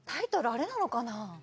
あれなのかな？